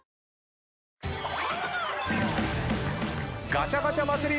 ガチャガチャ祭り！